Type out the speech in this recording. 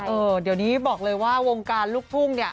เออเดี๋ยวนี้บอกเลยว่าวงการลูกทุ่งเนี่ย